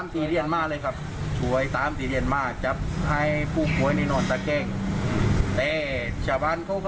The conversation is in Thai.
คือบางทีก็อยากให้เข้าใจมั้ง